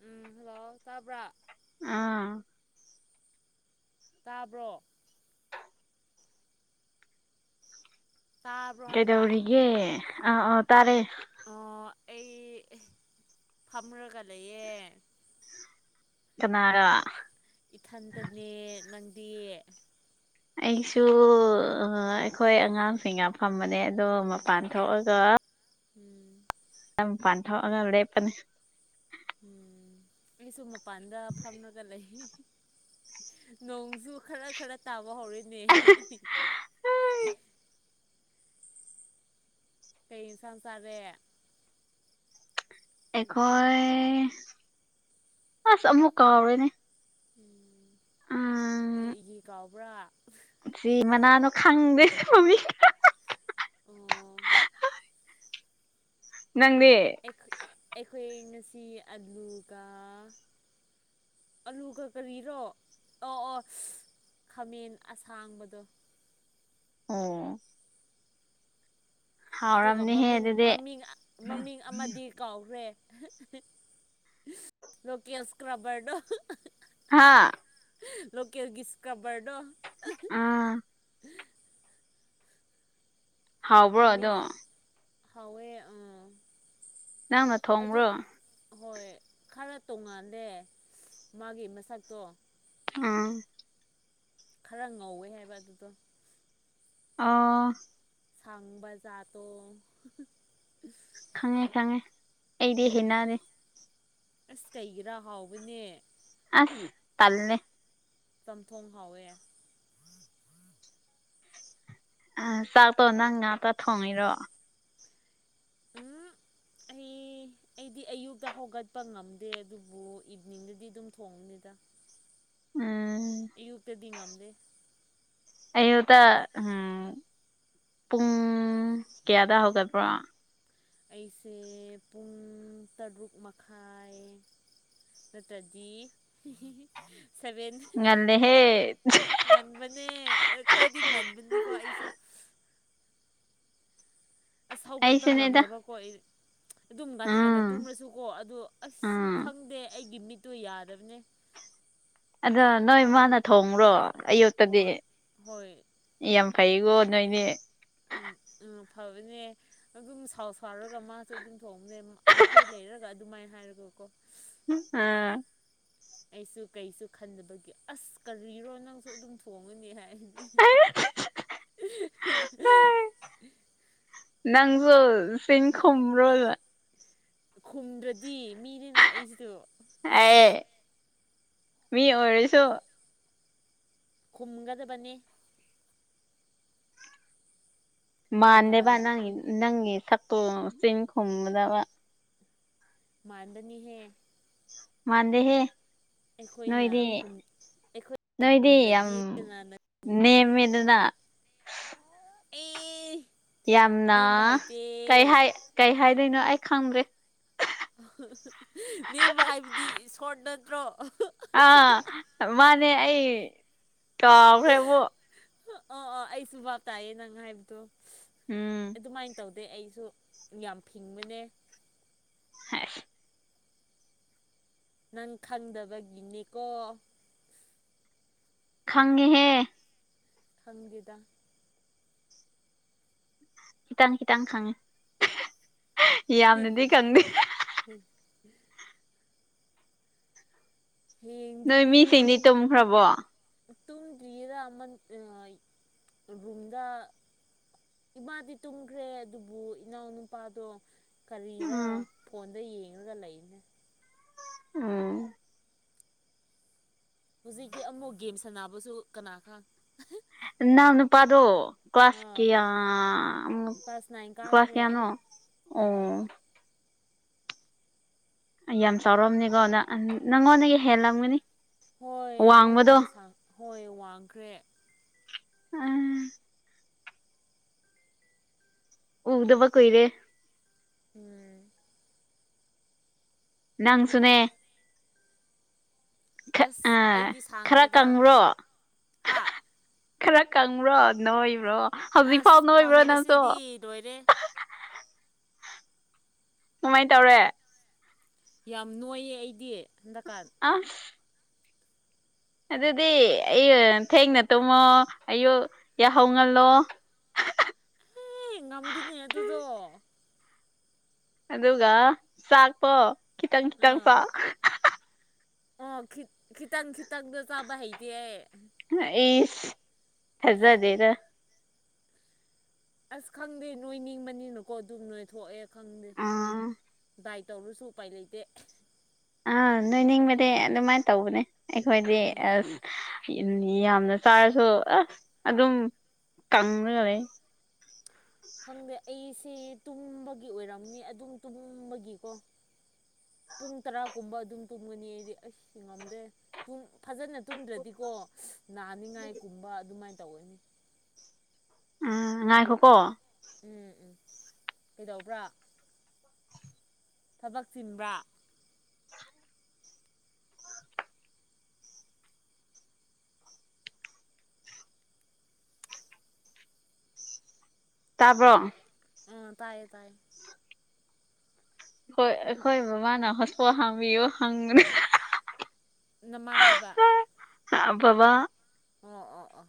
ꯎꯝ hello ꯇꯥꯕ꯭ꯔꯥ ꯑꯥ ꯇꯥꯕ꯭ꯔꯣ ꯇꯥꯕ꯭ꯔꯣ ꯍꯥꯏꯕ ꯀꯩꯗꯧꯔꯤꯒꯦ ꯑꯥ ꯑꯣ ꯇꯥꯔꯦ ꯑꯣ ꯑꯩ ꯐꯝꯔꯒ ꯂꯩꯌꯦ ꯀꯅꯥꯔꯥ ꯏꯊꯟꯇꯅꯦ ꯅꯪꯗꯤ ꯑꯩꯁꯨ ꯑꯩꯈꯣꯏ ꯑꯉꯥꯡꯁꯤꯡꯅ ꯐꯝꯕꯅꯦ ꯑꯗꯣ ꯃꯄꯥꯟ ꯊꯣꯛ ꯑꯒꯥ [inaudible] ꯃꯄꯥꯜ ꯊꯣꯑꯥꯒꯥ ꯂꯧꯞ ꯄꯥꯅꯦ ꯎꯝ ꯑꯩꯁꯨ ꯃꯄꯥꯟꯗ ꯐꯝꯃꯒꯥ ꯂꯩ ꯅꯣꯡꯖꯨ ꯈꯔ ꯈꯔ ꯇꯥꯕ ꯍꯧꯔꯛ [unintelligible] ꯀꯩ ꯌꯦꯟꯁꯪ ꯆꯥꯔꯦ ꯑꯦꯈꯣꯏ ꯑꯁꯥ ꯑꯃꯨꯛ ꯀꯥꯎꯔꯩꯅꯦ ꯎꯝ ꯀꯩꯔꯤꯒꯦ ꯀꯥꯎꯕ꯭ꯔꯥ ꯀꯔꯤ ꯃꯅꯥꯅꯣ ꯈꯪꯗꯦ ꯃꯥꯃꯤ ꯑꯣ ꯅꯪꯗꯤ ꯑꯩꯈꯣꯏ ꯉꯁꯤ ꯑꯥꯂꯨꯚꯥ ꯑꯂꯨꯒ ꯀꯔꯤꯔꯣ ꯑꯪ ꯑꯪ ꯈꯥꯃꯦꯟ ꯑꯁꯥꯡꯕꯗꯣ ꯑꯣ ꯑꯗꯨꯒ ꯍꯥꯎꯔꯝꯅꯤꯍꯦ ꯃꯃꯤꯡ ꯑꯗꯨꯗꯤ ꯃꯃꯤꯡ ꯃꯃꯤꯡ ꯑꯃꯗꯤ ꯀꯥꯎꯔꯦ ꯂꯣꯀꯦ ꯀ꯭ꯥꯔꯕꯥꯔꯗꯣ ꯍꯥꯥ ꯂꯀꯦꯜ ꯁꯀꯥꯕꯔꯗꯣ ꯑꯥ ꯍꯥꯎꯕ꯭ꯔꯣ ꯃꯥ ꯃꯤꯝ ꯑꯗꯣ ꯍꯥꯏꯋꯦ ꯅꯪꯅꯥ ꯊꯣꯡꯕ꯭ꯔꯣ ꯑꯍꯣꯏ ꯈꯥꯔ ꯇꯣꯡꯉꯥꯟꯜꯂꯦ ꯃꯥꯒꯤ ꯃꯁꯛꯇꯣ ꯎꯝ ꯈꯥꯔ ꯉꯧꯋꯦ ꯍꯥꯏꯕ ꯑꯗꯨꯗꯣ ꯑꯪ ꯁꯥꯟꯕꯥ ꯖꯠꯂꯣ ꯈꯪꯉꯦ ꯈꯪꯉꯦ ꯑꯩꯗꯤ [unintelligible] ꯍꯩꯅꯗꯦ ꯑꯥꯁ ꯀꯩꯒꯤꯔꯥ ꯍꯥꯎꯕꯅꯦ ꯑꯥ ꯇꯜꯂꯩ ꯆꯝꯊꯣꯡ ꯍꯥꯎꯋꯦ ꯑ ꯆꯥꯛꯇꯣ ꯅꯪ ꯉꯥꯛꯇ ꯊꯣꯡꯉꯤꯔꯣ ꯎꯝ ꯑꯩ ꯑꯩꯗꯤ ꯑꯌꯨꯛꯇ ꯍꯧꯒꯠꯄ ꯉꯝꯗꯦ ꯑꯗꯨꯕꯨ ꯏꯚꯅꯤꯡꯗꯗꯤ ꯑꯗꯨꯝ ꯊꯣꯡꯉꯅꯤꯗ ꯎꯝ ꯑꯌꯨꯛꯇꯗꯤ ꯉꯝꯗ ꯑꯌꯨꯗ ꯄꯨꯡ ꯀꯌꯥꯗ ꯍꯧꯒꯠꯄ꯭ꯔꯣ ꯑꯩꯁꯦ ꯄꯨꯡ ꯇꯔꯨꯛ ꯃꯈꯥꯏ ꯅꯠꯇ꯭ꯔꯗꯤ [unintelligible] ꯁꯚꯦꯟ ꯉꯜꯂꯦꯍꯦ ꯉꯟꯕꯅꯦ ꯈꯔꯗꯤ ꯉꯟꯕꯅꯤꯀꯣ ꯑꯩꯁꯨ ꯑꯥꯁ ꯍꯧꯒꯠꯄꯥ ꯑꯩꯁꯨꯅꯦꯗ ꯉꯝꯗꯕꯥꯕꯨ ꯑꯩ ꯑꯗꯨꯝ ꯉꯅꯤ ꯉꯥꯏꯟꯅ ꯎꯝ ꯇꯨꯝ꯭ꯔꯁꯨꯀꯣ ꯑꯗꯨ ꯑꯁ ꯎꯝ ꯈꯪꯗꯦ ꯑꯩꯒꯤ ꯃꯤꯠꯇꯨ ꯌꯥꯗꯕꯅꯦ ꯑꯗꯣ ꯅꯣꯏ ꯃꯥꯅ ꯊꯣꯡꯉꯨꯔꯣ ꯑꯌꯨ ꯍꯣꯏ ꯍꯣꯏ ꯌꯥꯝ ꯐꯩꯀꯣ ꯅꯣꯏꯅꯦ ꯎꯝ ꯐꯕꯅꯦ ꯑꯗꯨꯝ ꯁꯥꯎ ꯁꯥꯎꯔꯒ ꯃꯥ ꯁꯨ ꯑꯗꯨꯝ ꯊꯣꯡꯕ꯭ꯔꯦ ꯅꯈꯣꯏ ꯂꯩꯔꯒ ꯑꯗꯨꯃꯥꯏꯅ ꯍꯥꯏꯔꯒꯀꯣ [unintelligible] ꯑꯩꯁꯨ ꯀꯩꯁꯨ ꯈꯟꯗꯕꯒꯤ ꯑꯁ ꯀꯔꯤꯔꯣ ꯅꯪꯁꯨ ꯑꯗꯨꯝ ꯊꯣꯡꯉꯅꯤ ꯍꯥꯏ [unintelligible] [unintelligible] ꯅꯪꯁꯨ ꯁꯤꯡ [unintelligible] ꯈꯨꯝꯗ꯭ꯔꯗꯤ ꯃꯤꯅꯤꯅ ꯑꯩꯁꯨ ꯑꯌꯦ ꯃꯤ ꯑꯣꯏꯔꯁꯨ ꯈꯨꯝꯒꯗꯕꯅꯤ ꯃꯥꯟꯗꯕ ꯀꯅꯥꯅ ꯅꯪ ꯅꯪꯒꯤ ꯁꯥꯛꯇꯣ ꯆꯤꯟ ꯈꯨꯝꯗꯕ ꯃꯥꯡꯗꯅꯤ ꯍꯦ ꯃꯥꯟꯗꯦꯍꯦ ꯑꯩꯈꯣꯏꯅ ꯅꯣꯏꯗꯤ [unintelligible] ꯑꯩꯈꯣꯏ ꯅꯣꯏꯗꯤ ꯌꯥꯝ ꯗ꯭ꯔꯗꯤ ꯀꯅꯥꯅ ꯅꯦꯝꯃꯦꯗꯅ ꯑꯩ ꯌꯥꯝꯅ ꯀꯩ ꯀꯩ ꯍꯥꯏꯗꯣꯏꯅꯣ ꯑꯩ ꯈꯪꯗ꯭ꯔꯦ ꯅꯦꯝꯕ ꯍꯥꯏꯕꯗꯤ ꯁꯣꯔꯠ ꯅꯠꯇ꯭ꯔꯣ ꯑꯥ ꯃꯥꯅꯦ ꯑꯩ ꯀꯥꯎꯈ꯭ꯔꯦꯕꯨ ꯑꯣ ꯑꯣ ꯑꯩꯁꯨ ꯚꯥꯞ ꯇꯥꯏꯌꯦ ꯅꯪ ꯍꯥꯏꯕꯗꯣ ꯎꯝ ꯑꯗꯨꯃꯥꯏꯅ ꯇꯧꯗꯦ ꯑꯩꯁꯨ ꯌꯥꯝ ꯐꯤꯡꯕꯅꯦ [inaudible] ꯅꯪ ꯈꯪꯗꯕꯒꯤꯅꯦꯀꯣ ꯈꯪꯉꯤꯍꯦ ꯍꯪꯕꯤꯗ [unintelligible] ꯌꯥꯝꯅꯗꯤ ꯈꯪꯗꯦ [inaudible] ꯍꯌꯦꯡꯗꯤ ꯅꯣꯏ ꯃꯤꯁꯤꯡꯅꯦ ꯇꯨꯝꯈ꯭ꯔꯕꯣ ꯇꯨꯝꯗꯔꯤꯌꯦꯗ ꯑꯃꯟ ꯔꯨꯝꯗ ꯏꯃꯥꯗꯤ ꯇꯨꯝꯈ꯭ꯔꯦ ꯑꯗꯨꯕꯨ ꯏꯅꯥꯎ ꯅꯨꯄꯥꯗꯣ ꯀꯔꯤꯔ ꯎꯝ ꯐꯣꯟꯗ ꯌꯦꯡꯉꯒ ꯂꯩꯅꯦ ꯎꯝ ꯍꯧꯖꯤꯛꯇꯤ ꯑꯃꯉꯣꯛ ꯒꯦꯝ ꯁꯥꯟꯅꯕꯁꯨ ꯀꯅꯥ ꯈꯪ [unintelligible] ꯅꯨꯄꯥꯗꯣ ꯑꯥ ꯀ꯭ꯂꯥꯁꯀꯤꯌꯥ ꯀ꯭ꯂꯥꯁ ꯅꯥꯏꯟ ꯀ꯭ꯂꯥꯁ ꯀꯥꯈ꯭ꯔꯦ ꯀꯌꯥꯅꯣ ꯅꯥꯏꯟ ꯑꯣ ꯌꯥꯝ ꯆꯥꯎꯔꯝꯅꯤꯀꯣ ꯅ ꯅꯪꯉꯣꯟꯗꯒꯤ ꯍꯦꯜꯂꯝꯒꯅꯤ ꯍꯣꯏ ꯋꯥꯡꯕꯗꯣ ꯑꯩꯉꯣꯟꯗꯒꯤ ꯍꯣꯏ ꯋꯥꯡꯈ꯭ꯔꯦ ꯎꯝ ꯎꯗꯕ ꯀꯣꯏꯔꯦ ꯎꯝ ꯅꯪ ꯁꯨꯅꯦ ꯈꯠ ꯑꯁ ꯑ ꯑꯩꯗꯤ ꯈꯔ ꯁꯥꯡꯗꯦꯗ ꯀꯪꯉ꯭ꯔꯣ ꯍꯥ ꯈꯔ ꯀꯪꯕ꯭ꯔꯣ ꯅꯣꯏꯕ꯭ꯔꯣ ꯍꯧꯖꯤꯛ ꯐꯥꯎ ꯑꯁ ꯅꯣꯏꯕ꯭ꯔꯣ ꯅꯪꯁꯨ ꯀꯪꯕꯁꯤꯗꯤ ꯂꯣꯏꯔꯦ ꯀꯃꯥꯏꯅ ꯇꯧꯔꯦ ꯌꯥꯝ ꯅꯣꯏꯌꯦ ꯑꯩꯗꯤ ꯍꯟꯗꯛꯀꯥꯟ ꯑ ꯑꯗꯨꯗꯤ ꯑꯩ ꯊꯦꯡꯅ ꯇꯨꯝꯃꯣ ꯑꯌꯨꯛ ꯌꯥꯍꯧ ꯉꯜꯂꯣ ꯉꯝꯗꯤꯅꯦ ꯑꯗꯨꯗꯣ ꯑꯗꯨꯒ ꯆꯥꯛꯄꯣ ꯈꯤꯇꯪ ꯈꯤꯇꯪ ꯑꯣꯈꯤ ꯈꯤꯇꯪ ꯈꯤꯇꯪꯗ ꯆꯥꯕ ꯍꯩꯇꯦ [unintelligible] ꯍꯖꯗꯦꯔ ꯑꯁ ꯈꯪꯗꯦ ꯅꯣꯏ ꯅꯤꯡꯕꯅꯤꯅꯀꯣ ꯑꯗꯨꯝ ꯅꯣꯏ ꯊꯣꯛꯑꯦ ꯈꯪꯗꯦ ꯑꯥ ꯗꯥꯏ ꯇꯧꯔꯨꯁꯨ ꯎꯄꯥꯏ ꯂꯩꯗꯦ ꯑꯥ ꯅꯣꯏꯅꯤꯡꯕꯗꯤ ꯑꯗꯨꯃꯥꯏꯅ ꯇꯧꯕꯅꯦ ꯑꯩꯈꯣꯏꯗꯤ ꯎꯝ ꯑꯁ ꯌꯥꯝꯅ ꯆꯥꯔꯁꯨ ꯑ ꯑꯗꯨꯝ ꯀꯪꯉꯒꯥ ꯂꯩ ꯈꯪꯗꯦ ꯑꯩꯁꯦ ꯇꯨꯝꯕꯒꯤ ꯑꯣꯏꯔꯝꯅꯤ ꯑꯗꯨꯝ ꯇꯨꯝꯕꯒꯤꯀꯣ ꯄꯨꯡ ꯇꯔꯥꯒꯨꯝꯕ ꯑꯗꯨꯝ ꯇꯨꯝꯒꯅꯤ ꯑꯩꯗꯤ ꯑꯥꯁ ꯉꯝꯗꯦ ꯐꯖꯅ ꯇꯨꯝꯗ꯭ꯔꯗꯤꯀꯣ ꯅꯥꯅꯤꯡꯉꯥꯏ ꯀꯨꯝꯕ ꯑꯗꯨꯃꯥꯏꯅ ꯇꯧꯋꯅꯤ ꯎꯝ ꯉꯏꯈꯣ ꯎꯝ ꯎꯝ ꯀꯩꯗꯧꯕ꯭ꯔꯥ ꯊꯕꯛ ꯆꯤꯟꯕ꯭ꯔꯥ ꯇꯥꯕ꯭ꯔꯣ ꯑꯝ ꯇꯥꯏꯌꯦ ꯇꯥꯏꯌꯦ ꯍꯣꯏ ꯑꯩꯈꯣꯏ ꯕꯕꯥꯥꯅ ꯍꯣꯁꯄꯣ ꯍꯥꯡꯕꯤꯌꯨ ꯍꯪꯕꯅꯦ ꯅꯃꯥ ꯍꯥꯏꯕ ꯑ ꯕꯕꯥ ꯑꯣ ꯑꯣ ꯑꯣ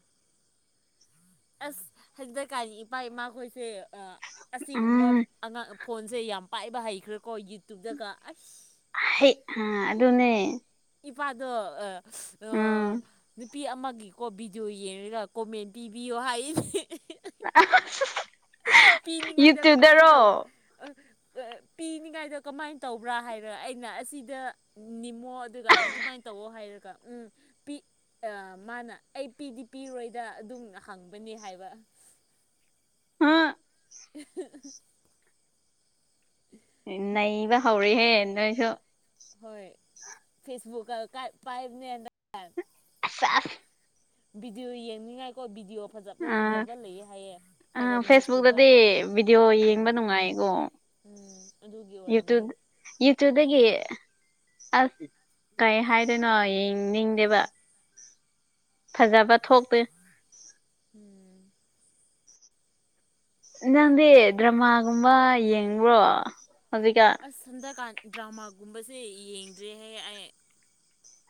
ꯑꯁ ꯍꯟꯗꯛꯀꯥꯟ ꯢꯄꯥ ꯏꯃꯥ ꯈꯣꯏꯁꯦ ꯑ ꯑꯁꯤꯒꯨꯝꯕ ꯎꯝ ꯑꯉꯥꯡ ꯐꯣꯟꯖꯦ ꯌꯥꯝ ꯄꯥꯏꯕ ꯍꯩꯈ꯭ꯔꯦꯀꯣ ꯌꯨꯇꯨꯕꯇꯒ ꯑꯩꯁ ꯍꯩꯠ ꯑ ꯑꯗꯨꯅꯦ ꯏꯄꯥꯗꯣ ꯑ ꯎꯝ ꯅꯨꯄꯤ ꯑꯃꯒꯤꯀꯣ ꯕꯤꯗꯤꯑꯣ ꯌꯦꯡꯔꯒ ꯀꯣꯃꯦꯟ ꯄꯤꯕꯤꯌꯣ ꯍꯥꯏꯌꯦꯅꯦ [unintelligible] ꯄꯤꯅꯤꯡꯉꯥꯏꯗꯣ ꯀꯃꯥꯏ ꯌꯨꯇ꯭ꯌꯨꯕꯇꯔꯣ ꯇꯧ ꯄꯤꯅꯤꯡꯉꯥꯏꯗꯣ ꯀꯃꯥꯏ ꯇꯧꯕ꯭ꯔꯥ ꯍꯥꯏꯔ ꯑꯩꯅ ꯑꯁꯤꯗ ꯅꯤꯝꯃꯣ ꯑꯗꯨꯒ ꯑꯗꯨꯃꯥꯏ ꯇꯧꯑꯣ ꯍꯥꯏꯔꯒ ꯎꯝ ꯄꯤ ꯑ ꯃꯥꯅ ꯑꯩ ꯄꯤꯗꯤ ꯄꯤꯔꯣꯏꯗ ꯑꯗꯨꯝꯅ ꯍꯪꯕꯅꯦ ꯍꯥꯏꯕ [unintelligible] [inaudible] [inaudible] ꯅꯩꯕ ꯍꯧꯔꯦꯍꯦ ꯅꯣꯏꯁꯨ ꯍꯣꯏ ꯐꯦꯁꯕꯨꯛꯀ ꯄꯥꯏꯕꯅꯦ ꯍꯟꯗꯛ ꯀꯥꯟꯅ ꯁꯦꯁ ꯚꯤꯗꯤꯌꯣ ꯌꯦꯡꯅꯤꯡꯉꯥꯏꯀꯣ ꯚꯤꯗꯤꯌꯣ ꯐꯖꯕ ꯑ ꯐꯖꯕ ꯂꯩꯌꯦ ꯍꯥꯏꯌꯦ ꯑ ꯀꯥꯔꯟ ꯅꯤꯌꯨꯁꯀꯨꯝꯕ ꯐꯦꯁꯕꯨꯛꯇꯗꯤ ꯚꯤꯗꯤꯑꯣ ꯎꯝ ꯌꯦꯡꯕ ꯅꯨꯡꯉꯥꯏꯀꯣ ꯎꯝ ꯑꯗꯨꯒꯤ ꯑꯣꯏꯔꯝꯃꯤ ꯌꯨꯇ꯭ꯌꯨꯕꯗꯒꯤ ꯑꯁ ꯀꯩ ꯍꯥꯏꯗꯣꯏꯅꯣ ꯌꯦꯡꯅꯤꯡꯗꯦꯕ ꯎꯝ ꯐꯖꯕ ꯊꯣꯛꯇꯦ ꯎꯝ ꯅꯟꯖꯪꯗꯤ ꯗ꯭ꯔꯃꯥꯒꯨꯝꯕ ꯌꯦꯡꯕ꯭ꯔꯣ ꯍꯧꯖꯤꯛꯀ ꯑꯁ ꯁꯟꯗꯀꯥꯟ ꯗ꯭ꯔꯃꯥꯒꯨꯝꯕꯁꯦ ꯌꯦꯡꯗ꯭ꯔꯦꯍꯦꯛ ꯑꯩ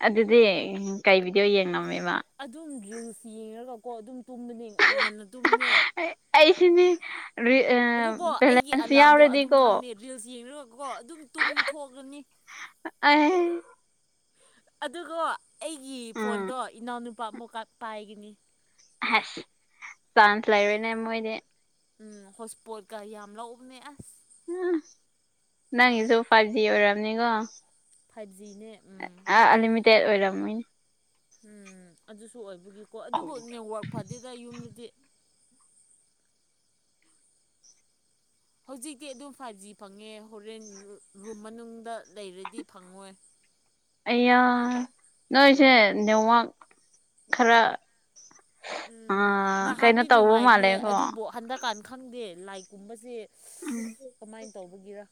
ꯑꯗꯨꯗꯤ ꯀꯩ ꯕꯤꯗꯤꯑꯣ ꯌꯦꯡꯉꯝꯃꯦꯕ ꯑꯗꯨꯝ ꯔꯤꯜꯁ ꯌꯦꯡꯉꯒꯀꯣ ꯑꯗꯨꯝ ꯇꯨꯝꯕꯅꯦ ꯉꯟ ꯉꯟꯅ ꯇꯨꯝꯅꯦ ꯑꯩ ꯑꯩꯁꯤꯅꯤ ꯔꯤ ꯑ ꯑꯗꯨꯀꯣ ꯑꯩꯒꯤ ꯑꯂꯥꯝꯗꯣ ꯑꯗꯨꯝ ꯈꯪꯗꯦ ꯔꯤꯜꯁ ꯌꯦꯡꯔꯒꯀꯣ ꯑꯗꯨꯝ ꯇꯨꯝ ꯊꯣꯛꯂꯅꯤ ꯑꯩ.. ꯑꯗꯨꯒꯣ ꯑꯩꯒꯤ ꯎꯝ ꯐꯣꯟꯗꯣ ꯏꯅꯥꯎꯅꯨꯄꯥ ꯑꯃꯨꯛꯀ ꯄꯥꯏꯒꯅꯤ ꯑꯁ ꯆꯥꯟꯁ ꯂꯩꯔꯣꯏꯅꯦ ꯃꯣꯏꯗꯤ ꯎꯝ ꯍꯣꯁ ꯁꯄꯣꯠꯀ ꯌꯥꯝ ꯂꯧꯕꯅꯦ ꯑꯁ ꯎ ꯅꯪꯒꯤꯖꯨ ꯐꯥꯏꯚ ꯖꯤ ꯑꯣꯏꯔꯑꯝꯅꯤꯀꯣ ꯐꯥꯏꯚꯖꯤꯅꯦ ꯑ ꯑꯟꯂꯤꯃꯤꯇꯦꯠ ꯑꯣꯏꯔꯝꯃꯣꯏꯅꯦ ꯎꯝ ꯑꯗꯨꯁꯨ ꯑꯣꯏꯕꯒꯤꯀꯣ ꯑꯗꯨꯕꯨ ꯅꯦꯠꯋꯥꯔꯛ ꯐꯥꯗꯦꯗ ꯌꯨꯝꯗꯗꯤ ꯍꯧꯖꯤꯛꯇꯤ ꯑꯗꯨꯝ ꯐꯥꯏꯚ ꯖꯤ ꯐꯪꯉꯦ ꯍꯣꯔꯦꯟ ꯔꯨꯝ ꯃꯅꯨꯡꯗ ꯂꯩꯔꯗꯤ ꯐꯪꯉꯣꯏ ꯑꯩ ꯅꯣꯏꯁꯦ ꯅꯦꯠꯋꯥꯛ ꯈꯔ ꯎꯝ ꯑꯥ ꯀꯩꯅꯣ ꯅꯍꯥꯟꯗꯤ ꯇꯧꯕ ꯅꯨꯡꯉꯥꯏꯕꯅꯦ ꯃꯥꯜꯂꯦꯀꯣ ꯑꯗꯨꯕꯨ ꯍꯟꯗꯛ ꯀꯥꯟ ꯈꯪꯗꯦ ꯂꯥꯏꯛ ꯀꯨꯝꯕꯁꯦ ꯎꯝ ꯀꯃꯥꯏꯅ ꯇꯧꯕꯒꯤꯔ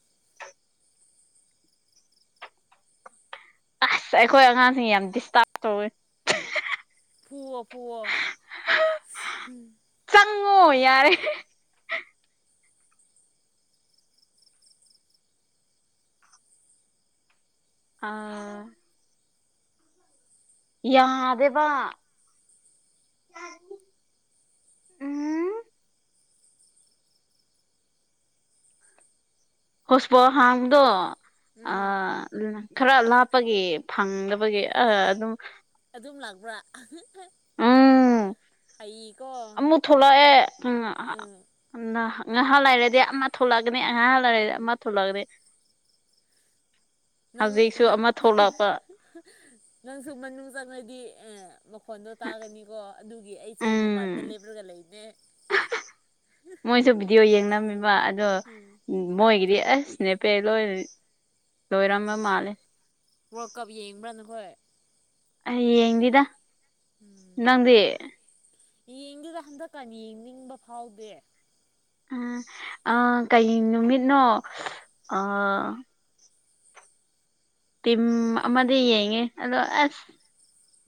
ꯑꯁ ꯑꯩꯈꯣꯏ ꯑꯉꯥꯡꯁꯤꯡ ꯌꯥꯝ ꯗꯤꯁꯇꯥꯔꯕ ꯇꯧꯋꯤ ꯄꯨꯋꯣ ꯄꯨꯋꯣ ꯎꯝ ꯆꯪꯉꯣ ꯌꯥꯔꯦ ꯑꯥ ꯌꯥꯗꯦꯕ ꯎꯝ ꯍꯣꯁꯄꯣ ꯍꯥꯡꯗꯣ ꯑ ꯎꯝ ꯎ ꯈꯔ ꯂꯥꯞꯄꯒꯤ ꯐꯪꯗꯕꯒꯤ ꯑ ꯑꯗꯨꯝ ꯑꯗꯨꯝ ꯂꯥꯛꯄ꯭ꯔꯥ ꯎꯝ ꯍꯩꯀꯣ ꯑꯃꯨꯛ ꯊꯂꯥ ꯑꯦ ꯑ ꯎꯝ ꯉꯍꯥꯟ ꯂꯩꯥꯏꯔꯗꯤ ꯑꯃ ꯊꯣꯛꯂꯛꯒꯅꯤ ꯑꯉꯥꯡ ꯂꯩꯔꯗꯤ ꯎꯝ ꯑꯃ ꯊꯣꯛꯂꯛꯑꯅꯤ ꯅꯪꯪ ꯍꯧꯖꯤꯛꯁꯨ ꯅꯪ ꯑꯃ ꯊꯣꯛꯂꯛꯄ ꯅꯪꯁꯨ ꯃꯅꯨꯡ ꯆꯪꯉꯗꯤ ꯑ ꯃꯈꯣꯟꯗꯣ ꯇꯥꯒꯅꯤꯀꯣ ꯑꯗꯨꯒꯤ ꯑꯩꯁꯨ ꯃꯄꯥꯟꯗ ꯎꯝ ꯂꯦꯞꯂꯒ ꯂꯩꯅꯦ ꯃꯣꯏꯁꯨ ꯚꯤꯗꯤꯑꯣ ꯌꯦꯡꯅꯝꯃꯤꯕ ꯑꯗꯣ ꯎꯝ ꯃꯣꯏꯒꯤꯗꯤ ꯑꯁꯅꯦꯄꯦ ꯂꯣꯏ ꯂꯣꯏꯔꯝꯕ ꯎꯝ ꯃꯥꯜꯂꯦ ꯋꯥꯔꯜ ꯀꯞ ꯌꯦꯡꯕ꯭ꯔꯥ ꯅ ꯍꯣꯏ ꯌꯦꯡꯡꯗꯗ ꯎꯝ ꯌꯦꯡꯗꯨꯗ ꯍꯟꯗꯛꯀ ꯌꯦꯡꯅꯤꯡꯕ ꯐꯥꯎꯗꯦ ꯎꯝ ꯑꯥ ꯀꯩ ꯅꯨꯃꯤꯠꯅꯣ ꯑ ꯇꯝ ꯑꯃꯇꯤ ꯌꯦꯉꯦ ꯑꯗꯣ ꯑꯁ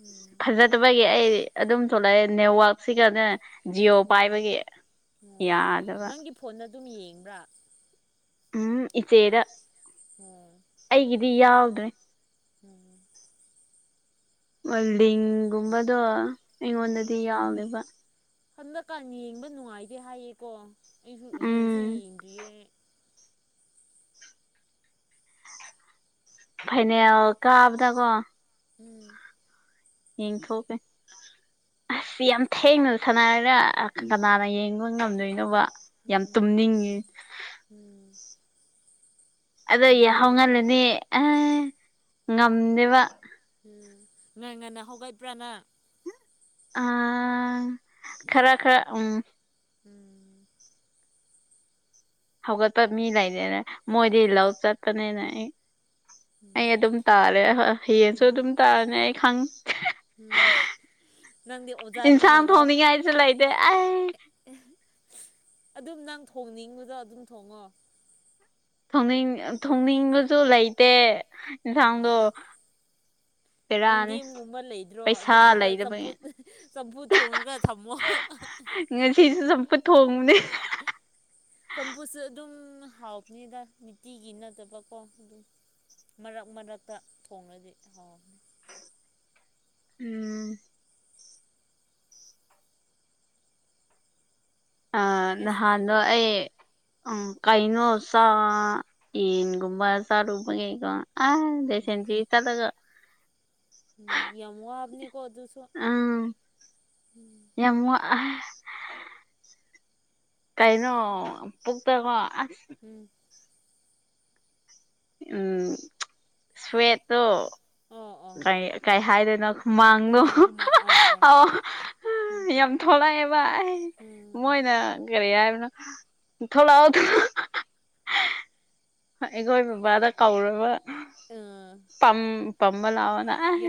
ꯎꯝ ꯆꯕꯒꯤ ꯑꯩ ꯑꯗꯨꯝ ꯊꯣꯛꯂꯛꯑꯦ ꯅꯦꯠꯋꯛꯁꯤꯒꯅꯦ ꯖꯤꯑꯣꯑꯣ ꯎꯝ ꯄꯥꯏꯕꯒꯤ ꯑꯣ ꯌꯥꯗꯕ ꯅꯪꯒꯤ ꯐꯣꯟꯗ ꯑꯗꯨꯝ ꯌꯦꯡꯕ꯭ꯔꯥ ꯎꯝ ꯑꯆꯩꯗ ꯎꯝ ꯑꯩꯒꯤꯗꯤ ꯌꯥꯎꯗ꯭ꯔꯦ ꯎꯝ ꯂꯤꯡꯒꯨꯝꯕꯗꯣ ꯎꯝ ꯑꯩꯉꯣꯟꯗꯗꯤ ꯌꯥꯎꯋꯦꯕ ꯍꯟꯗꯛꯀꯥꯟ ꯌꯦꯡꯕ ꯅꯨꯡꯉꯥꯏꯇꯦ ꯍꯥꯏꯌꯦꯀꯣ ꯑꯩꯁꯨ ꯌꯦꯡꯁꯨ ꯎꯝ ꯌꯦꯡꯗ꯭ꯔꯤꯌꯦ ꯐꯥꯏꯅꯦꯜ ꯀꯥꯕꯗꯀꯣ ꯎꯝ ꯌꯦꯊꯣꯛꯀꯦ ꯑꯁ ꯌꯥꯝ ꯊꯦꯡꯅ ꯁꯥꯟꯅꯔꯒ ꯀꯅꯥꯅ ꯌꯦꯡꯕ ꯉꯝꯗꯣꯏꯅꯣꯕ ꯌꯥꯝ ꯎꯝ ꯇꯨꯝꯅꯤꯡꯉꯤ ꯎꯝ ꯑꯗꯣ ꯑꯗꯨꯅꯦ ꯌꯥꯍꯍꯜꯂꯅꯦ ꯑꯦ ꯉꯝꯗꯦꯕ ꯎꯝ ꯉꯥꯡ ꯉꯟꯅ ꯍꯒꯥꯏꯕ꯭ꯔꯥꯅ ꯅꯪ ꯑꯥ ꯈꯔ ꯈꯔ ꯎꯝ ꯎꯝ ꯍꯧꯒꯠꯇꯄꯕ ꯃꯤ ꯂꯩꯔꯦꯅ ꯃꯣꯏꯗꯤ ꯂꯧ ꯆꯠꯇꯅꯤꯅ ꯑꯩ ꯑꯩ ꯎꯝ ꯑꯗꯨꯝ ꯇꯥꯔꯦ ꯌꯦꯌꯦꯡꯁꯨ ꯎꯝ ꯑꯗꯨꯝ ꯇꯥꯔꯅꯤ ꯑꯩ ꯈꯪ ꯎꯝ ꯅꯪꯗꯤ ꯏꯟꯁꯥꯡ ꯑꯣꯖꯥꯅꯤꯅꯀꯣ ꯊꯣꯡꯅꯤꯡꯉꯥꯏꯁꯨ ꯂꯩꯇꯦ ꯑꯩ ꯑꯗꯨꯝ ꯅꯪ ꯊꯣꯡꯅꯤꯡꯕꯗꯣ ꯑꯗꯨꯝ ꯊꯣꯡꯉꯣ ꯊꯣꯡꯅꯤꯡ ꯊꯣꯡꯅꯤꯡꯕꯁꯨ ꯂꯩꯇꯦ ꯏꯟꯁꯥꯡꯗꯣ ꯌꯦꯡꯗꯦꯝꯒꯨꯝꯕ ꯂꯩꯗ꯭ꯔꯣ ꯑꯗꯨꯒꯨꯝꯕ ꯆꯝꯐꯨ ꯂꯩꯗꯕꯒꯤ ꯆꯝꯐꯨꯠ ꯊꯣꯡꯉꯒ ꯊꯝꯃꯣ ꯉꯁꯤꯁꯨ ꯁ ꯄꯨꯊꯣꯡꯕꯅꯦ ꯆꯝꯕꯨꯁꯁꯨ ꯑꯗꯨꯝ ꯍꯥꯎꯕꯅꯤꯗ ꯅꯨꯡꯇꯤꯒꯤ ꯅꯠꯇꯕꯀꯣ ꯑꯗꯨꯝ ꯃꯔꯛ ꯃꯔꯛꯇ ꯊꯣꯡꯡꯂꯗꯤ ꯍꯥꯎꯔꯝꯃꯤ ꯎꯝ ꯑ ꯑꯦꯁ ꯅꯍꯥꯟꯗꯣ ꯑꯩ ꯎꯝ ꯀꯩꯅꯣ ꯆꯥ ꯌꯦꯟꯒꯨꯝꯕ ꯆꯥꯔꯨꯕ ꯀꯩꯀꯣ ꯑ ꯎꯝ ꯗꯤꯁꯦꯟꯗꯤ ꯆꯠꯂꯒ ꯎꯝ ꯌꯥꯝꯋꯥꯕꯅꯤ ꯀꯣ ꯑꯗꯨꯁꯨ ꯑꯝ ꯎꯝ ꯌꯥꯝꯋꯥꯑꯥ ꯀꯥꯏꯩꯅꯣ ꯄꯨꯇꯒꯣ ꯑꯁ ꯎꯝ ꯎꯝ ꯁ꯭ꯋꯦꯠꯇꯣ ꯑꯣ ꯑꯣ ꯀꯩ ꯀꯩ ꯍꯥꯏꯗꯣꯏꯅꯣ ꯃꯥꯡꯒꯣ ꯑꯣ ꯎꯝ ꯌꯥꯝ ꯊꯣꯂꯛꯑꯦꯕ ꯑꯦꯏ ꯎꯝ ꯎꯝ ꯃꯣꯏꯅ ꯀꯔꯤ ꯍꯥꯏꯕꯅꯣ ꯊꯣꯛꯂꯛꯑꯣ ꯑꯩꯈꯣꯏ ꯕꯕꯥꯗ ꯀꯧꯔꯕ ꯑ ꯄꯝ ꯄꯃꯕ ꯂꯥꯛꯑꯣꯅ ꯑꯦ